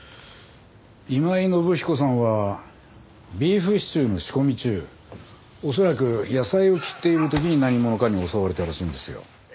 今井信彦さんはビーフシチューの仕込み中恐らく野菜を切っている時に何者かに襲われたらしいんですよ。